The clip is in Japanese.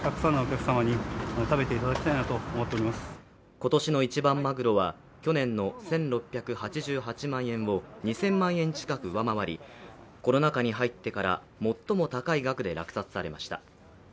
今年の一番まぐろは去年の１６８８万円を２０００万円近く上回りコロナ禍に入ってから最も高い額で落札されました。